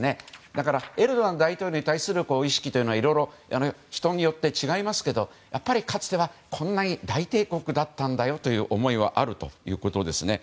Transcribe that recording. だからエルドアン大統領に対する意識というのはいろいろ人によって違いますけどかつては、こんなに大帝国だったんだよという思いはあるということですね。